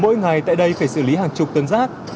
mỗi ngày tại đây phải xử lý hàng chục tấn rác